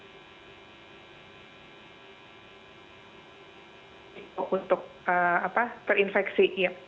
untuk terinfeksi iya